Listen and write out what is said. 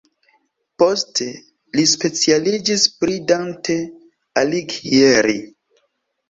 Poste li specialiĝis pri Dante Alighieri.